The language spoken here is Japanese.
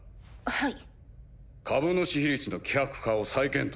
はい。